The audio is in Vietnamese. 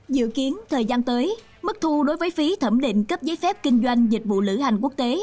dự kiến thời gian tới mức thu đối với phí thẩm định cấp giấy phép kinh doanh dịch vụ lữ hành quốc tế